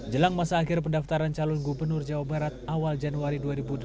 jelang masa akhir pendaftaran calon gubernur jawa barat awal januari dua ribu delapan belas